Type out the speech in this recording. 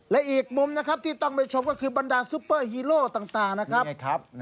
และอีกมุมนะครับที่ต้องไปชมก็คือบรรดาซุปเปอร์ฮีโร่ต่างนะครับ